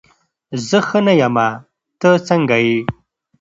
زه ښه نه یمه، ته څنګه یې؟